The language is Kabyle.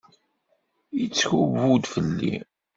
Yettkubbu-d fell-i.